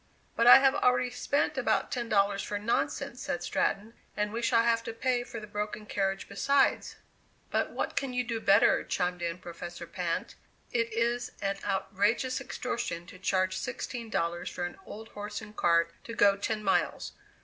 "But I have already spent about ten dollars for nonsense," said Stratton, "and we shall have to pay for the broken carriage besides." "But what can you do better?" chimed in Professor Pinte. "It is an outrageous extortion to charge sixteen dollars for an old horse and cart to go ten miles.